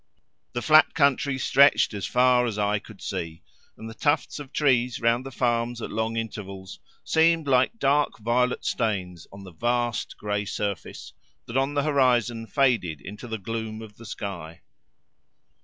The flat country stretched as far as eye could see, and the tufts of trees round the farms at long intervals seemed like dark violet stains on the cast grey surface, that on the horizon faded into the gloom of the sky.